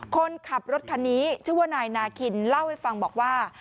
คนขับรถคันนี้ชื่อว่านายนาคินเล่าให้ฟังบอกว่า